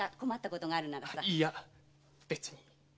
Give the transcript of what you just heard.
いや別に。